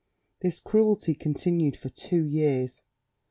This cruelty continued for two years.